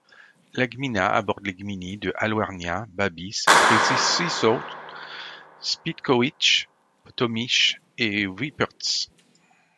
La gmina borde les gminy de Alwernia, Babice, Przeciszów, Spytkowice, Tomice et Wieprz.